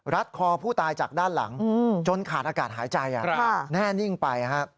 รัดคอผู้ตายจากด้านหลังจนขาดอากาศหายใจแน่นิ่งไป